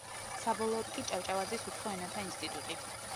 საბოლოოდ კი ჭავჭავაძის უცხო ენათა ინსტიტუტი.